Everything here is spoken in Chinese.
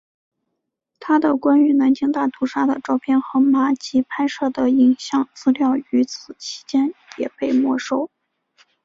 他的关于南京大屠杀的照片和马吉拍摄的影像资料与此期间也被没收。